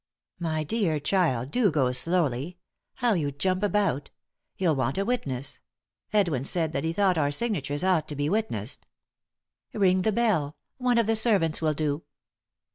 "My dear child, do go slowly 1 How you jump about 1 You'll want a witness. Edwin said that he thought our signatures ought to be witnessed." " Ring the bell ; one of the servants will do."